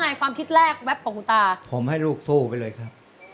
ยังไงคุณตา